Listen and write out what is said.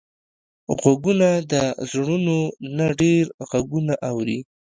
غوږونه د زړونو نه ډېر غږونه اوري